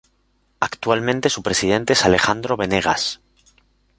Actualmente su presidente es Alejandro Venegas.